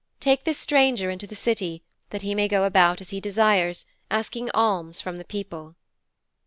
Take this stranger into the City, that he may go about as he desires, asking alms from the people.'